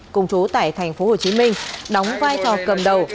cùng chú tại tp hồ chí minh đóng vai trò cầm đầu